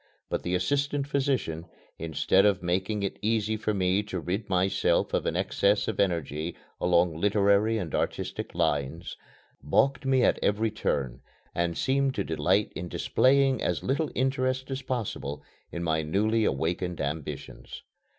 But the assistant physician, instead of making it easy for me to rid myself of an excess of energy along literary and artistic lines, balked me at every turn, and seemed to delight in displaying as little interest as possible in my newly awakened ambitions.